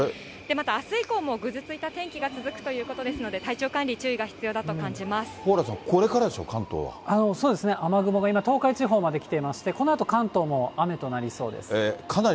またあす以降もぐずついた天気が続くということですので、体調管理、蓬莱さん、これからでしょ、そうですね、雨雲が今、東海地方まで来ていまして、このあと、関東も雨となりそうです。